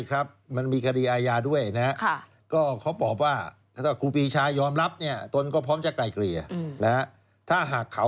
คือต่างฝ่ายก็ต่างไม่ยอมแล้วก็มั่นใจในตัวเอง